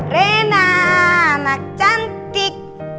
rena anak cantik